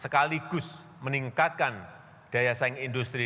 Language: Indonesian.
sekaligus meningkatkan daya saing industri